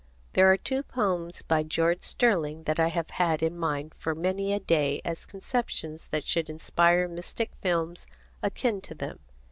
There are two poems by George Sterling that I have had in mind for many a day as conceptions that should inspire mystic films akin to them.